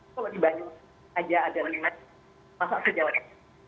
kalau di banyu saja ada lima masa sejauhnya